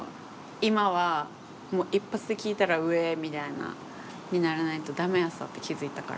今は一発で聴いたら「うえい」みたいにならないとダメやさって気付いたから。